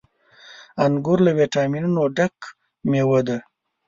• انګور له ويټامينونو ډک مېوه ده.